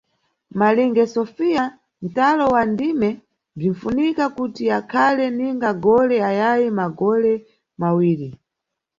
Malinge Sofia, ntalo wa ndime bzwinfunika kuti ukhale ninga gole ayayi magole mawiri.